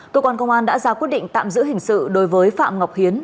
cơ quan công an đã ra quyết định tạm giữ hình sự đối với phạm ngọc hiến